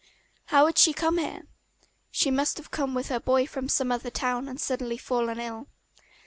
How had she come here? She must have come with her boy from some other town and suddenly fallen ill.